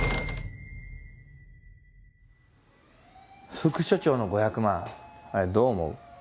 副署長の５００万あれどう思う？